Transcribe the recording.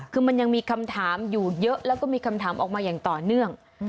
คือมันยังมีคำถามอยู่เยอะแล้วก็มีคำถามออกมาอย่างต่อเนื่อง